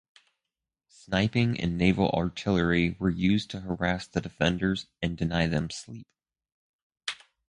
Sniping and naval artillery were used to harass the defenders and deny them sleep.